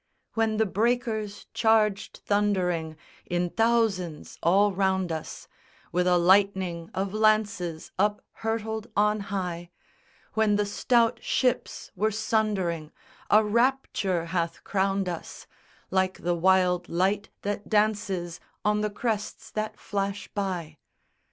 When the breakers charged thundering In thousands all round us With a lightning of lances Uphurtled on high, When the stout ships were sundering A rapture hath crowned us, Like the wild light that dances On the crests that flash by.